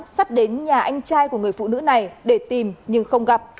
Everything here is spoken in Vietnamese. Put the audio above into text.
sắt đến nhà anh trai của người phụ nữ này để tìm nhưng không gặp